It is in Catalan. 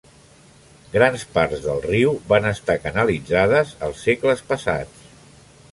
Grans parts del riu van estar canalitzades als segles passats.